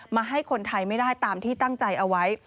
ให้คนไทยไม่ได้ตามที่ตั้งใจเอาไว้